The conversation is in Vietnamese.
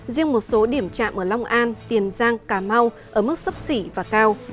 riêng một số điểm trạm ở long an tiền giang cà mau ở mức sấp xỉ và cao